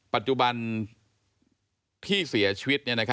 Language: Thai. ปัจจุบันที่เสียชีวิต